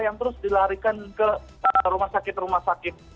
yang terus dilarikan ke rumah sakit rumah sakit